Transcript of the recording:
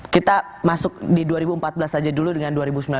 kita masuk di dua ribu empat belas saja dulu dengan dua ribu sembilan belas